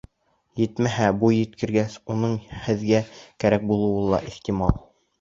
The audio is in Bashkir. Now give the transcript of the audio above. Етмәһә, буй еткергәс, уның һеҙгә кәрәк булыуы ла ихтимал.